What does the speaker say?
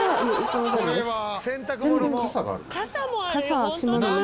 これは？